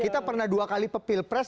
kita pernah dua kali pepilpres